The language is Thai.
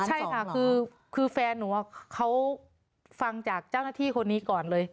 ใช่ค่ะคือแฟนหนูเขาฟังจากเจ้าหน้าที่คนนี้ก่อนเลย